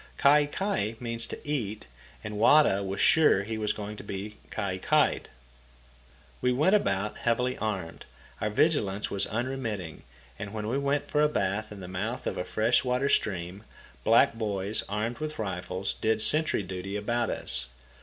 Kai kai means to eat, and Wada was sure he was going to be kai kai'd. We went about heavily armed, our vigilance was unremitting, and when we went for a bath in the mouth of a fresh water stream, black boys, armed with rifles, did sentry duty about us.